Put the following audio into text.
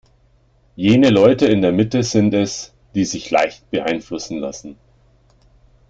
Jene Leute in der Mitte sind es, die sich leicht beeinflussen lassen.